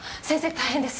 大変です！